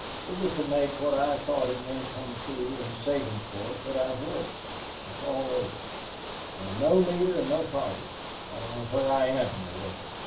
It was to make, what I thought it meant come true, in Sabinsport that I've worked. It's all over. I've no leader and no party. I don't know where I am in the world.